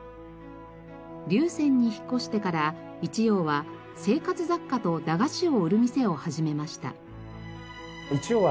竜泉に引っ越してから一葉は生活雑貨と駄菓子を売る店を始めました。